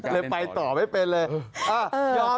เลยไปต่อไม่เป็นเลย